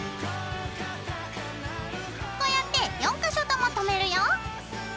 こうやって４か所ともとめるよ。